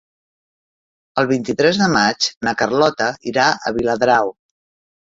El vint-i-tres de maig na Carlota irà a Viladrau.